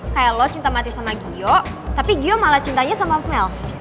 kayak lo cinta mati sama giyo tapi gio malah cintanya sama melk